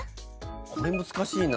これ難しいな。